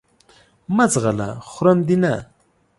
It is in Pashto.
مه ځغله خورم دې نه !